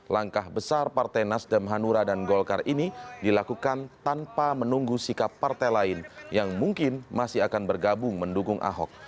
langkah besar partai nasdem hanura dan golkar ini dilakukan tanpa menunggu sikap partai lain yang mungkin masih akan bergabung mendukung ahok